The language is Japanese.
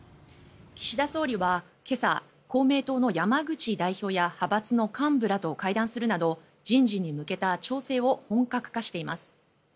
岸田総理は今朝公明党の山口代表や派閥の幹部らと会談するなど人事に向けた調整を本格化しています。